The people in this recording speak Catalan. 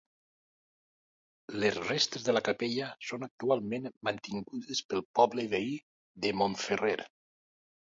Les restes de la capella són actualment mantingudes pel poble veí de Montferrer.